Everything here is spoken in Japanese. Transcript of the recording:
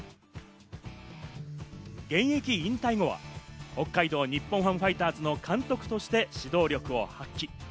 現役引退後は北海道日本ハムファイターズの監督として指導力を発揮。